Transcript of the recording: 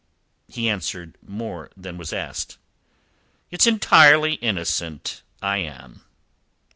He answered more than was asked. "It's entirely innocent I am."